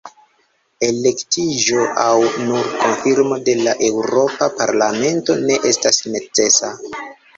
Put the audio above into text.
Elektiĝo aŭ nur konfirmo de la Eŭropa Parlamento ne estas necesa.